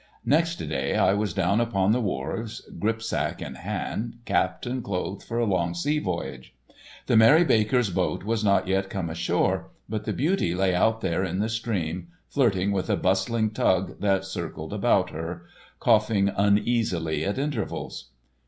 Next day I was down upon the wharves, gripsack in hand, capped and clothed for a long sea voyage. The "Mary Baker's" boat was not yet come ashore, but the beauty lay out there in the stream, flirting with a bustling tug that circled about her, coughing uneasily at intervals.